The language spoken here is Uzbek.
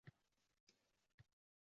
ahvolini va duo qilishini so'rardi.